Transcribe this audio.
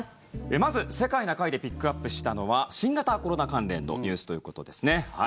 まず「世界な会」でピックアップしたのは新型コロナ関連のニュースということですね。